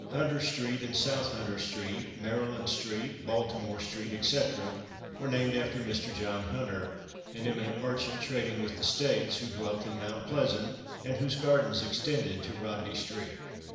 Hunter street and South Hunter street, Maryland street, Baltimore street, etc., were named after Mr. John Hunter, an eminent merchant trading with the States, who dwelt in Mount Pleasant, and whose gardens extended to Rodney street.